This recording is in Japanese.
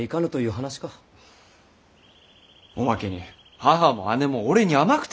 おまけに母も姉も俺に甘くて。